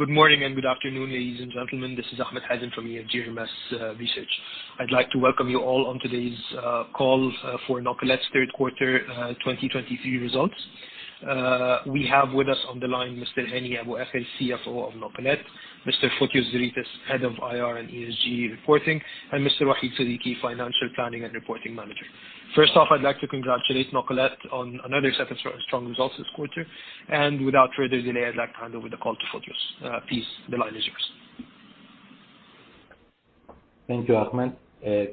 Good morning, and good afternoon, ladies and gentlemen, this is Ahmed Hazem from EFG Hermes Research. I'd like to welcome you all on today's call for Nakilat's Q3 2023 results. We have with us on the line Mr. Hani Abuaker, CFO of Nakilat, Mr. Fotios Zeritis, Head of IR and ESG Reporting, and Mr. Wahid Siddiqui, Financial Planning and Reporting Manager. First off, I'd like to congratulate Nakilat on another set of strong results this quarter, and without further delay, I'd like to hand over the call to Fotios. Please, the line is yours. Thank you, Ahmed.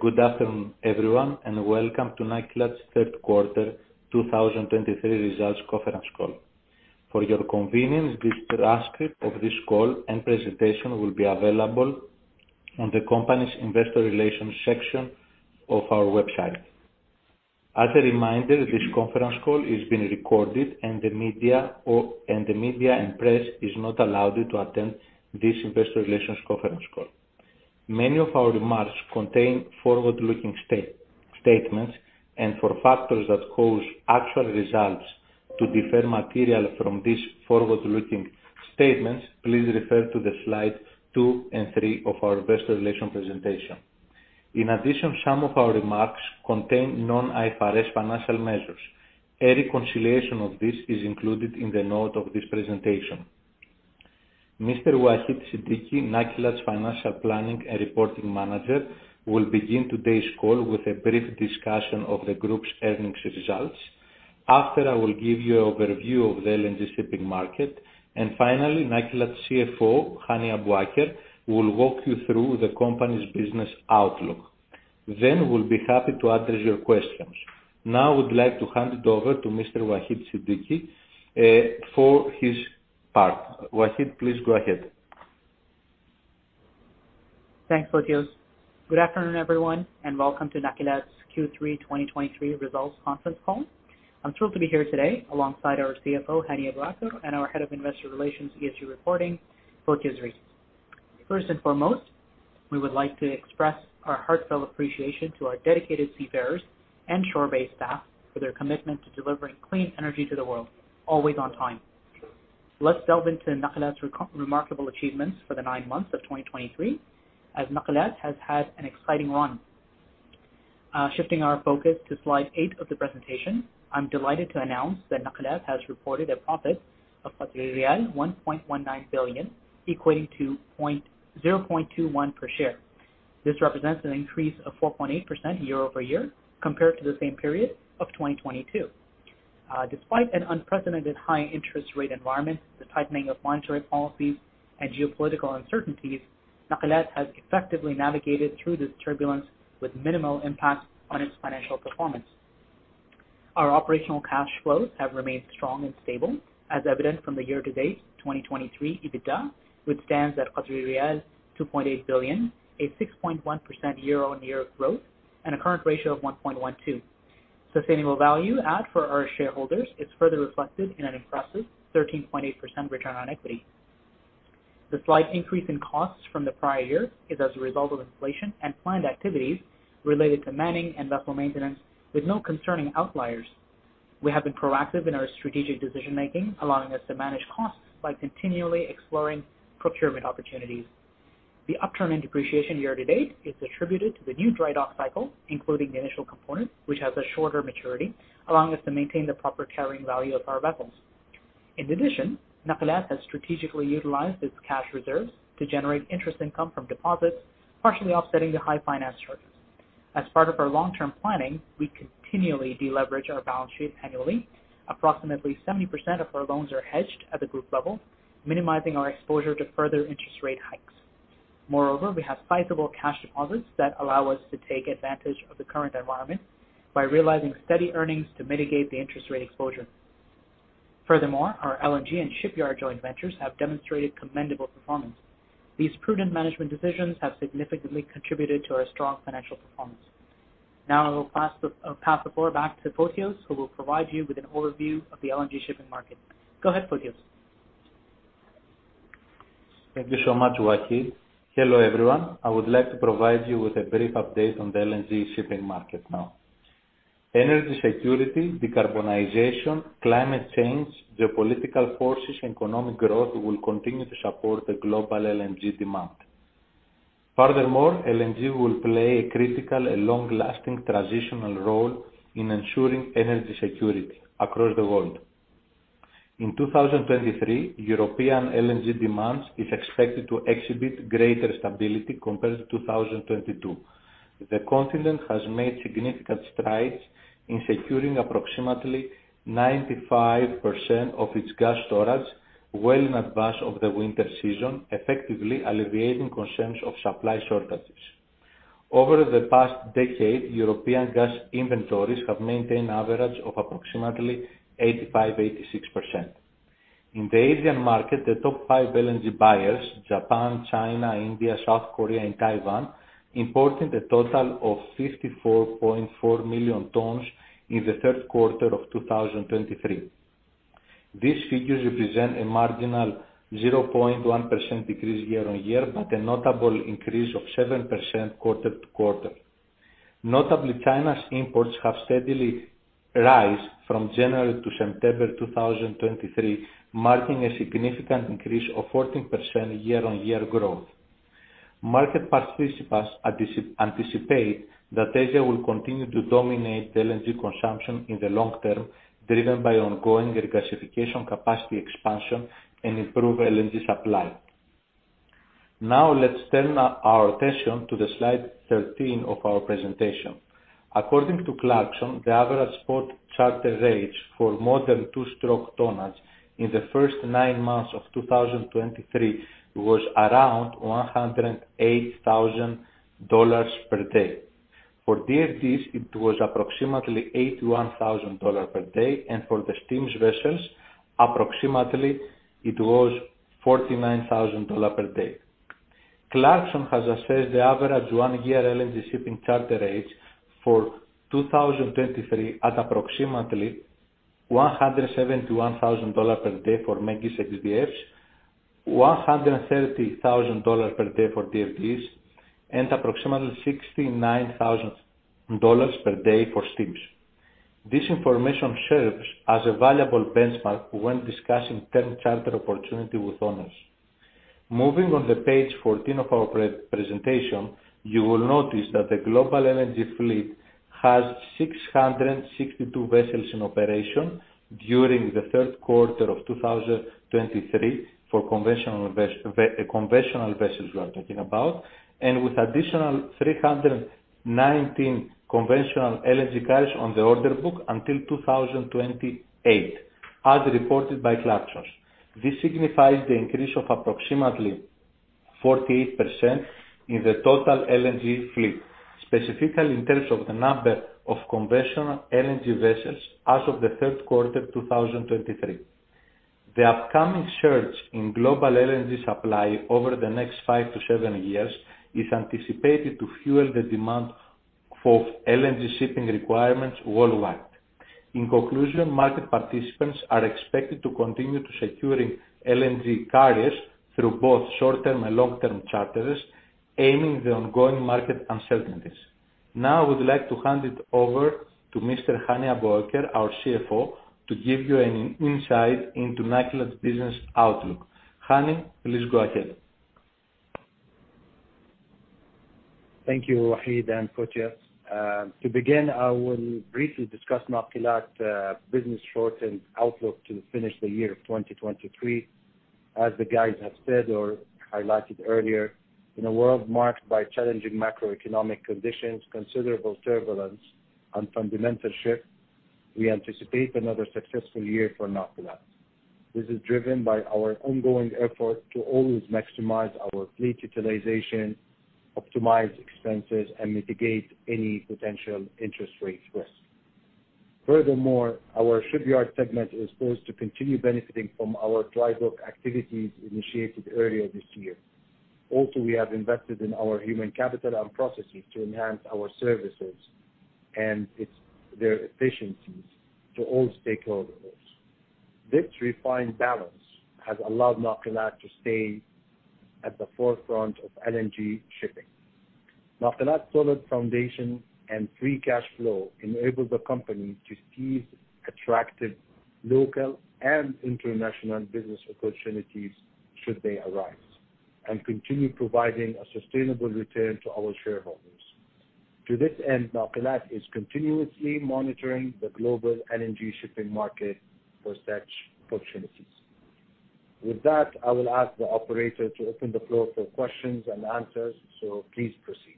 Good afternoon, everyone, and welcome to Nakilat's Q3 2023 Results Conference Call. For your convenience, this transcript of this call and presentation will be available on the company's investor relations section of our website. As a reminder, this conference call is being recorded, and the media and press is not allowed to attend this investor relations conference call. Many of our remarks contain forward-looking statements, and for factors that cause actual results to differ materially from these forward-looking statements, please refer to slide 2 and 3 of our investor relations presentation. In addition, some of our remarks contain non-IFRS financial measures. A reconciliation of this is included in the note of this presentation. Mr. Wahid Siddiqui, Nakilat's Financial Planning and Reporting Manager, will begin today's call with a brief discussion of the group's earnings results. After, I will give you an overview of the LNG shipping market, and finally, Nakilat's CFO, Hani Abuaker, will walk you through the company's business outlook. Then, we'll be happy to address your questions. Now, I would like to hand it over to Mr. Wahid Siddiqui, for his part. Wahid, please go ahead. Thanks, Fotios. Good afternoon, everyone, and welcome to Nakilat's Q3 2023 results conference call. I'm thrilled to be here today alongside our CFO, Hani Abuaker, and our Head of Investor Relations, ESG Reporting, Fotios Zeritis. First and foremost, we would like to express our heartfelt appreciation to our dedicated seafarers and shore-based staff for their commitment to delivering clean energy to the world, always on time. Let's delve into Nakilat's remarkable achievements for the nine months of 2023, as Nakilat has had an exciting run. Shifting our focus to slide 8 of the presentation, I'm delighted to announce that Nakilat has reported a profit of 1.19 billion, equating to 0.21 per share. This represents an increase of 4.8% year-over-year compared to the same period of 2022. Despite an unprecedented high interest rate environment, the tightening of monetary policies and geopolitical uncertainties, Nakilat has effectively navigated through this turbulence with minimal impact on its financial performance. Our operational cash flows have remained strong and stable, as evidenced from the year-to-date 2023 EBITDA, which stands at 2.8 billion, a 6.1% year-on-year growth, and a current ratio of 1.12. Sustainable value add for our shareholders is further reflected in an impressive 13.8% return on equity. The slight increase in costs from the prior year is as a result of inflation and planned activities related to manning and vessel maintenance, with no concerning outliers. We have been proactive in our strategic decision-making, allowing us to manage costs by continually exploring procurement opportunities. The upturn in depreciation year to date is attributed to the new dry dock cycle, including the initial component, which has a shorter maturity, allowing us to maintain the proper carrying value of our vessels. In addition, Nakilat has strategically utilized its cash reserves to generate interest income from deposits, partially offsetting the high finance charges. As part of our long-term planning, we continually deleverage our balance sheet annually. Approximately 70% of our loans are hedged at the group level, minimizing our exposure to further interest rate hikes. Moreover, we have sizable cash deposits that allow us to take advantage of the current environment by realizing steady earnings to mitigate the interest rate exposure. Furthermore, our LNG and shipyard joint ventures have demonstrated commendable performance. These prudent management decisions have significantly contributed to our strong financial performance. Now I will pass the floor back to Fotios, who will provide you with an overview of the LNG shipping market. Go ahead, Fotios. Thank you so much, Wahid. Hello, everyone. I would like to provide you with a brief update on the LNG shipping market now. Energy security, decarbonization, climate change, geopolitical forces, economic growth will continue to support the global LNG demand. Furthermore, LNG will play a critical and long-lasting transitional role in ensuring energy security across the world. In 2023, European LNG demands is expected to exhibit greater stability compared to 2022. The continent has made significant strides in securing approximately 95% of its gas storage well in advance of the winter season, effectively alleviating concerns of supply shortages. Over the past decade, European gas inventories have maintained an average of approximately 85%-86%. In the Asian market, the top five LNG buyers, Japan, China, India, South Korea, and Taiwan, imported a total of 54.4 million tons in the Q3 of 2023. These figures represent a marginal 0.1% decrease year-on-year, but a notable increase of 7% quarter-to-quarter. Notably, China's imports have steadily rise from January to September 2023, marking a significant increase of 14% year-on-year growth. Market participants anticipate that Asia will continue to dominate the LNG consumption in the long term, driven by ongoing regasification capacity expansion and improved LNG supply. Now, let's turn our attention to the slide 13 of our presentation. According to Clarksons, the average spot charter rates for modern two-stroke tonnage in the first nine months of 2023 was around $108,000 per day. For DFDs, it was approximately $81,000 per day, and for the steam vessels, approximately it was $49,000 per day. Clarksons has assessed the average one year LNG shipping charter rates for 2023 at approximately $171,000 per day for ME-GI DFDs, $130,000 per day for DFDs, and approximately $69,000 per day for steams. This information serves as a valuable benchmark when discussing term charter opportunity with owners. Moving on to page 14 of our presentation, you will notice that the global LNG fleet has 662 vessels in operation during the Q3 of 2023 for conventional vessels, we are talking about. And with additional 319 conventional LNG carriers on the order book until 2028, as reported by Clarksons. This signifies the increase of approximately 48% in the total LNG fleet, specifically in terms of the number of conventional LNG vessels as of the Q3, 2023. The upcoming surge in global LNG supply over the next 5-7 years is anticipated to fuel the demand for LNG shipping requirements worldwide. In conclusion, market participants are expected to continue to securing LNG carriers through both short-term and long-term charters, aiming the ongoing market uncertainties. Now, I would like to hand it over to Mr. Hani Abuaker, our CFO, to give you an insight into Nakilat business outlook. Hani, please go ahead. Thank you, Wahid and Fotios. To begin, I will briefly discuss Nakilat business short and outlook to finish the year 2023. As the guys have said or highlighted earlier, in a world marked by challenging macroeconomic conditions, considerable turbulence and fundamental shift, we anticipate another successful year for Nakilat. This is driven by our ongoing effort to always maximize our fleet utilization, optimize expenses, and mitigate any potential interest rate risk. Furthermore, our shipyard segment is poised to continue benefiting from our dry dock activities initiated earlier this year. Also, we have invested in our human capital and processes to enhance our services and its, their efficiencies to all stakeholders. This refined balance has allowed Nakilat to stay at the forefront of LNG shipping. Nakilat solid foundation and free cash flow enable the company to seize attractive local and international business opportunities should they arise, and continue providing a sustainable return to our shareholders. To this end, Nakilat is continuously monitoring the global LNG shipping market for such opportunities. With that, I will ask the operator to open the floor for questions and answers, so please proceed.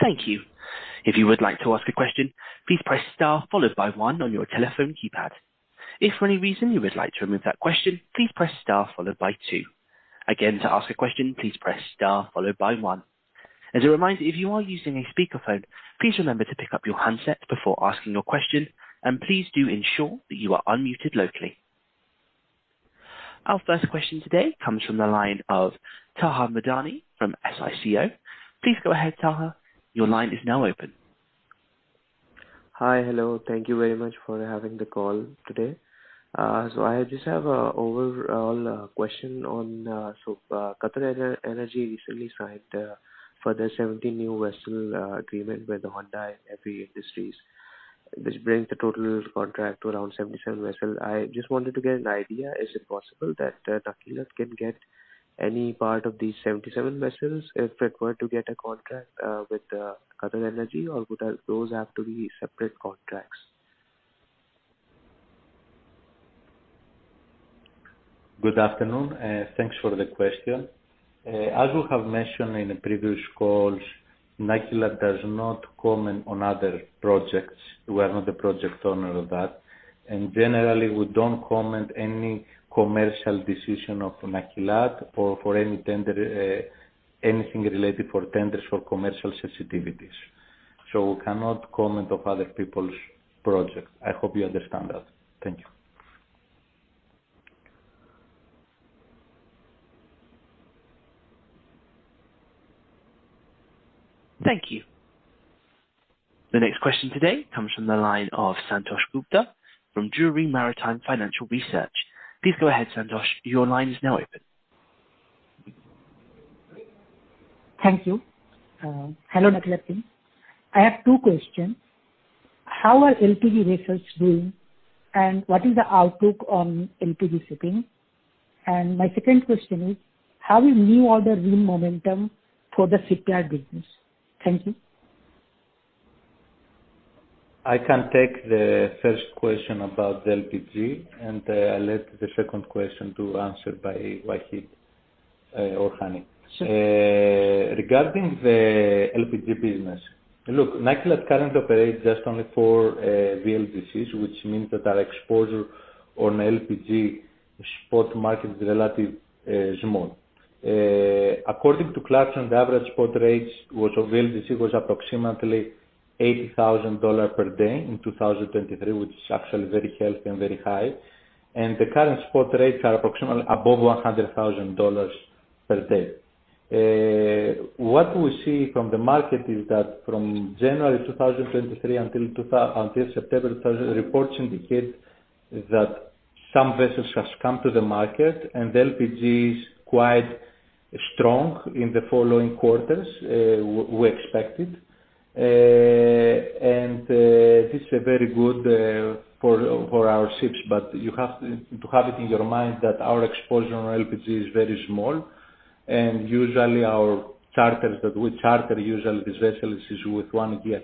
Thank you. If you would like to ask a question, please press star followed by one on your telephone keypad. If for any reason you would like to remove that question, please press star followed by two. Again, to ask a question, please press star followed by one. As a reminder, if you are using a speakerphone, please remember to pick up your handset before asking your question, and please do ensure that you are unmuted locally. Our first question today comes from the line of Taha Madani from SICO. Please go ahead, Taha. Your line is now open. Hi. Hello, thank you very much for having the call today. I just have a overall question on QatarEnergy recently signed for the 70 new vessel agreement with the Hyundai Heavy Industries, which brings the total contract to around 77 vessels. I just wanted to get an idea, is it possible that Nakilat can get any part of these 77 vessels if they were to get a contract with QatarEnergy, or would those have to be separate contracts? Good afternoon, thanks for the question. As we have mentioned in the previous calls, Nakilat does not comment on other projects. We are not the project owner of that, and generally, we don't comment any commercial decision of Nakilat or for any tender, anything related for tenders for commercial sensitivities. So we cannot comment of other people's project. I hope you understand that. Thank you. Thank you.... The next question today comes from the line of Santosh Gupta from Drewry Maritime Financial Research. Please go ahead, Santosh, your line is now open. Thank you. Hello, Nakilat team. I have two questions: How are LPG vessels doing, and what is the outlook on LPG shipping? And my second question is: How is new order win momentum for the shipyard business? Thank you. I can take the first question about LPG, and I'll let the second question to answer by Wahid or Hani. Sure. Regarding the LPG business, look, Nakilat currently operates just only four VLGCs, which means that our exposure on LPG spot market is relatively small. According to Clarksons, the average spot rates of VLGC was approximately $80,000 per day in 2023, which is actually very healthy and very high. And the current spot rates are approximately above $100,000 per day. What we see from the market is that from January 2023 until September, reports indicate that some vessels has come to the market, and LPG is quite strong in the following quarters, we expect it. And this is a very good for our ships, but you have to have it in your mind that our exposure on LPG is very small. Usually our charters that we charter usually these vessels is with one year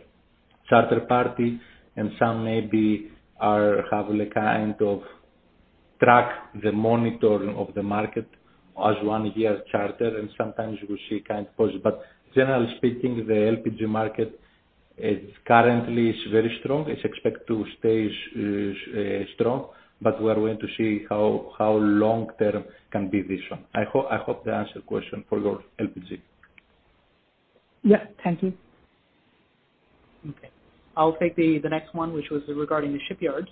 charter party, and some maybe are have the kind of track, the monitoring of the market as one year charter, and sometimes you will see kind of pause. But generally speaking, the LPG market is currently very strong. It's expected to stay strong, but we are waiting to see how long term can be this one. I hope that answered your question for your LPG. Yeah. Thank you. Okay. I'll take the next one, which was regarding the shipyards.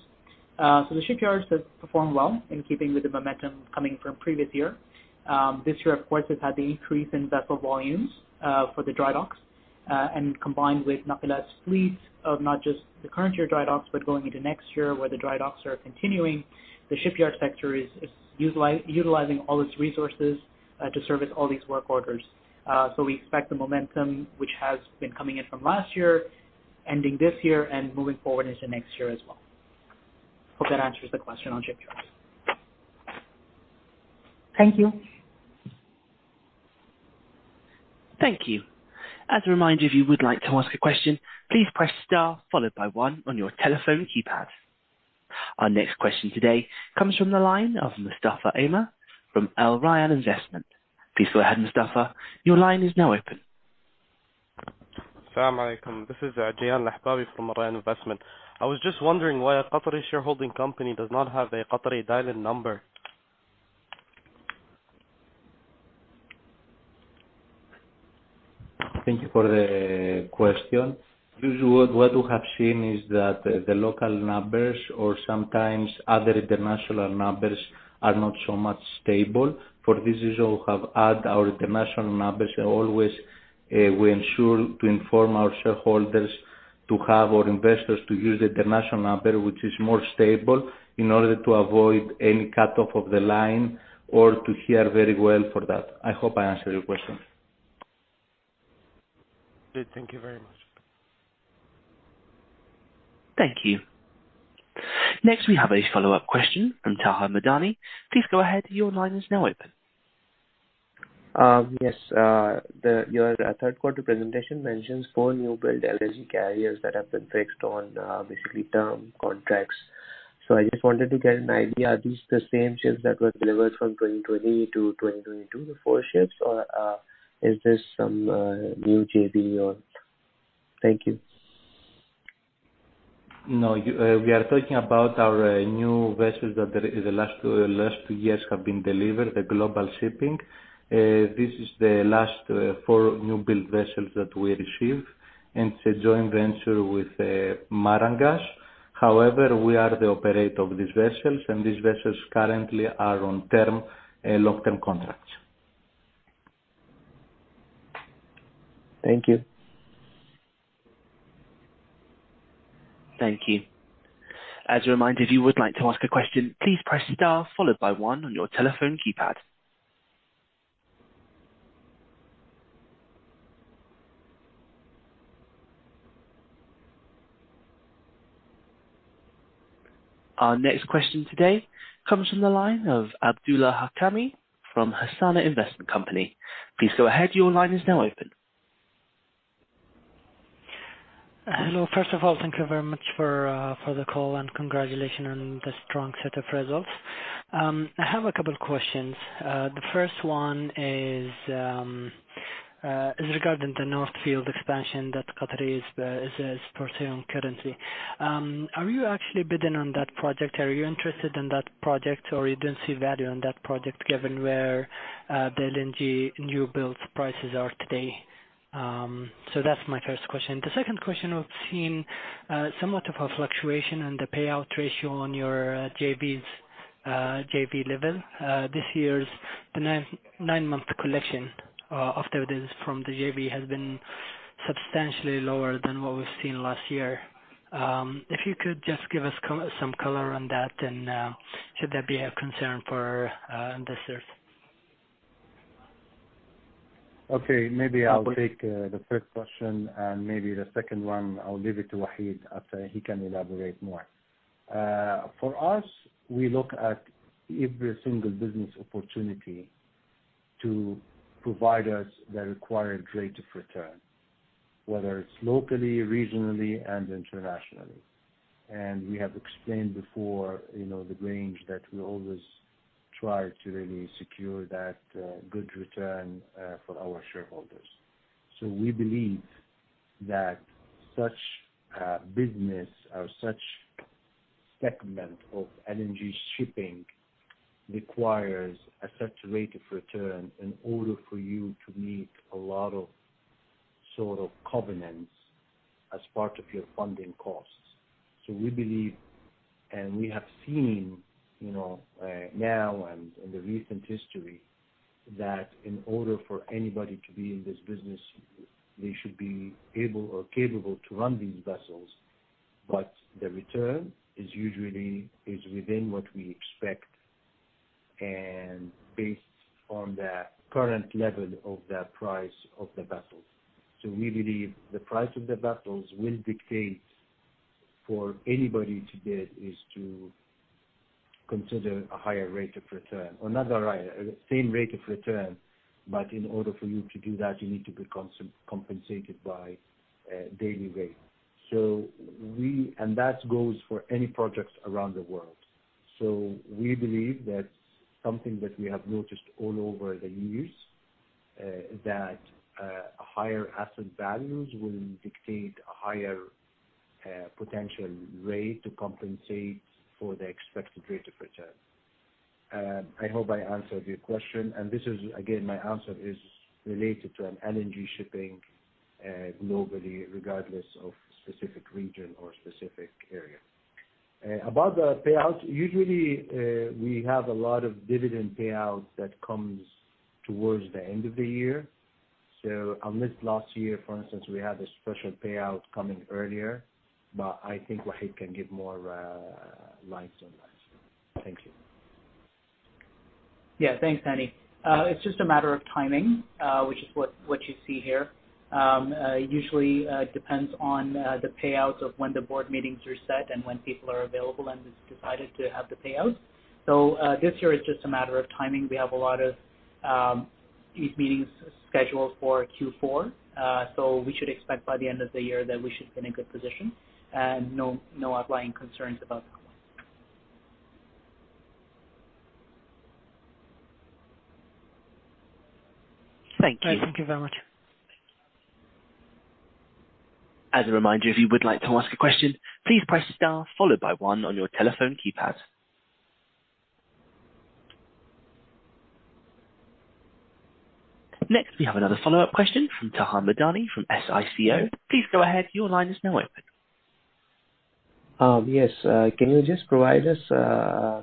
So the shipyards have performed well in keeping with the momentum coming from previous year. This year, of course, has had the increase in vessel volumes for the dry docks. And combined with Nakilat's fleet of not just the current year dry docks, but going into next year where the dry docks are continuing, the shipyard sector is utilizing all its resources to service all these work orders. So we expect the momentum which has been coming in from last year, ending this year and moving forward into next year as well. Hope that answers the question on shipyards. Thank you. Thank you. As a reminder, if you would like to ask a question, please press star followed by one on your telephone keypad. Our next question today comes from the line of Mustafa Amer from Al Rayan Investment. Please go ahead, Mustafa, your line is now open. Assalamu alaikum. This is Rayan Lahbabi from Al Rayan Investment. I was just wondering why a Qatari shareholding company does not have a Qatari dial-in number? Thank you for the question. Usually, what we have seen is that the local numbers or sometimes other international numbers are not so much stable. For this reason, we have added our international numbers. Always, we ensure to inform our shareholders to have our investors to use the international number, which is more stable, in order to avoid any cut off of the line or to hear very well for that. I hope I answered your question. Good. Thank you very much. Thank you. Next, we have a follow-up question from Taha Madani. Please go ahead. Your line is now open. Yes, your Q3 presentation mentions four newbuild LNG carriers that have been fixed on basically term contracts. So I just wanted to get an idea, are these the same ships that were delivered from 2020-2022, the four ships, or is this some new JV or...? Thank you. No, you, we are talking about our new vessels that in the last 2 years have been delivered, the Global Shipping. This is the last 4 newbuild vessels that we received, and it's a joint venture with Maran Gas. However, we are the operator of these vessels, and these vessels currently are on term long-term contracts. Thank you. Thank you. As a reminder, if you would like to ask a question, please press star followed by one on your telephone keypad. Our next question today comes from the line of Abdulelah Hakami from Hassana Investment Company. Please go ahead. Your line is now open. Hello. First of all, thank you very much for the call and congratulations on the strong set of results. I have a couple of questions. The first one is regarding the North Field expansion that Qatar is pursuing currently. Are you actually bidding on that project? Are you interested in that project, or you don't see value in that project, given where the LNG newbuild prices are today? So that's my first question. The second question, I've seen somewhat of a fluctuation in the payout ratio on your JVs at JV level. This year's nine-month collection of dividends from the JV has been substantially lower than what we've seen last year. If you could just give us some color on that, and should that be a concern for investors? Okay. Maybe I'll take the first question, and maybe the second one, I'll leave it to Wahid. I think he can elaborate more. For us, we look at every single business opportunity to provide us the required rate of return, whether it's locally, regionally, and internationally. And we have explained before, you know, the range that we always try to really secure that good return for our shareholders. So we believe that such business or such segment of LNG shipping requires a certain rate of return in order for you to meet a lot of sort of covenants as part of your funding costs. So we believe, and we have seen, you know, now and in the recent history, that in order for anybody to be in this business, they should be able or capable to run these vessels, but the return is usually, is within what we expect and based on the current level of the price of the vessels. So we believe the price of the vessels will dictate for anybody to get is to consider a higher rate of return. Or not a higher, same rate of return, but in order for you to do that, you need to be compensated by a daily rate. So we... And that goes for any projects around the world. So we believe that something that we have noticed all over the years, that higher asset values will dictate a higher potential rate to compensate for the expected rate of return. I hope I answered your question, and this is, again, my answer is related to an LNG shipping globally, regardless of specific region or specific area. About the payouts, usually we have a lot of dividend payouts that comes towards the end of the year. So, unless last year, for instance, we had a special payout coming earlier, but I think Wahid can give more lights on that. Thank you. Yeah, thanks, Hani. It's just a matter of timing, which is what you see here. Usually depends on the payouts of when the board meetings are set and when people are available, and it's decided to have the payout. So, this year is just a matter of timing. We have a lot of meetings scheduled for Q4, so we should expect by the end of the year that we should be in a good position, and no outlying concerns about that one. Thank you. Thank you very much. As a reminder, if you would like to ask a question, please press star followed by one on your telephone keypad. Next, we have another follow-up question from Taha Madani from SICO. Please go ahead. Your line is now open. Yes, can you just provide us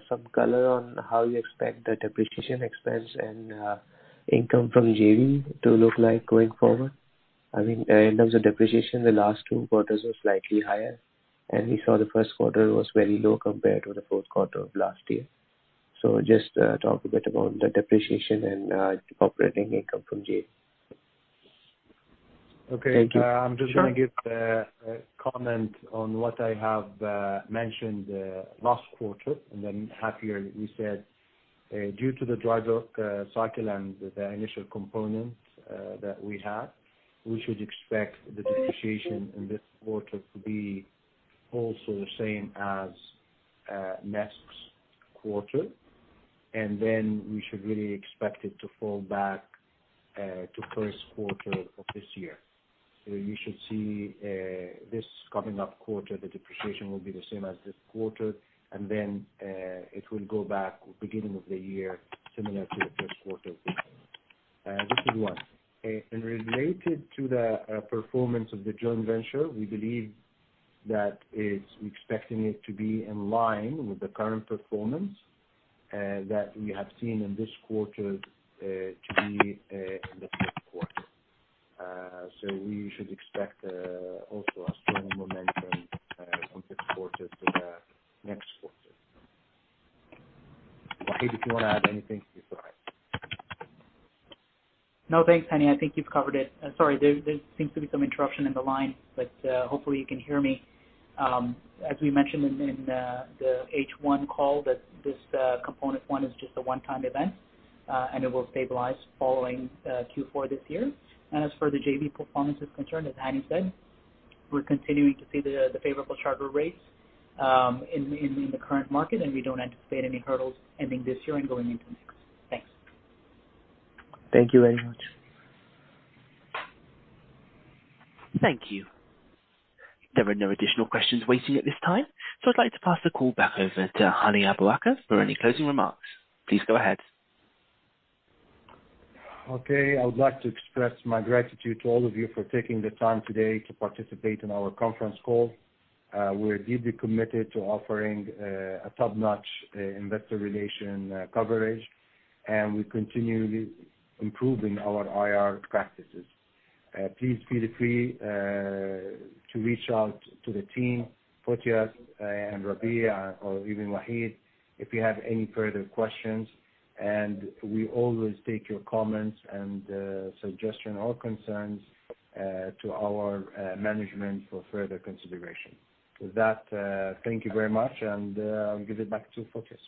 some color on how you expect the depreciation expense and income from JV to look like going forward? I mean, in terms of depreciation, the last two quarters were slightly higher, and we saw the Q1 was very low compared to the fourth quarter of last year. So just talk a bit about the depreciation and operating income from JV. Okay. Thank you. I'm just gonna give a comment on what I have mentioned last quarter, and then however, we said, due to the drydock cycle and the initial component that we have, we should expect the depreciation in this quarter to be also the same as next quarter. And then we should really expect it to fall back to Q1 of this year. So you should see this coming up quarter, the depreciation will be the same as this quarter, and then it will go back beginning of the year, similar to the Q1 of this year. This is one. And related to the performance of the joint venture, we believe that it's... We're expecting it to be in line with the current performance, that we have seen in this quarter, to be the fourth quarter. So we should expect also a strong momentum on this quarter to the next quarter. Wahid, if you wanna add anything, you can go ahead. No, thanks, Hani. I think you've covered it. Sorry, there seems to be some interruption in the line, but hopefully you can hear me. As we mentioned in the H1 call, that this component one is just a one-time event, and it will stabilize following Q4 this year. As for the JV performance is concerned, as Hani said, we're continuing to see the favorable charter rates in the current market, and we don't anticipate any hurdles ending this year and going into next. Thanks. Thank you very much. Thank you. There are no additional questions waiting at this time, so I'd like to pass the call back over to Hani Abuaker, for any closing remarks. Please go ahead. Okay. I would like to express my gratitude to all of you for taking the time today to participate in our conference call. We're deeply committed to offering a top-notch investor relation coverage, and we're continually improving our IR practices. Please feel free to reach out to the team, Fotios, and Rabih, or even Wahid, if you have any further questions, and we always take your comments and suggestion or concerns to our management for further consideration. With that, thank you very much, and I'll give it back to Fotios.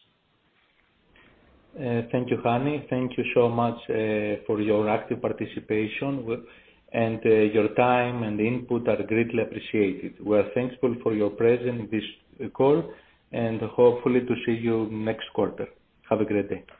Thank you, Hani. Thank you so much for your active participation, and your time and input are greatly appreciated. We are thankful for your presence in this call, and hopefully to see you next quarter. Have a great day.